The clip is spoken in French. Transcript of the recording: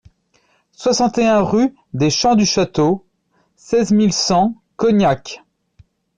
soixante et un rue des Champs du Château, seize mille cent Cognac